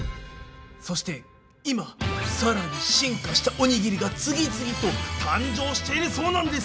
そして今さらに進化したおにぎりが次々と誕生しているそうなんです。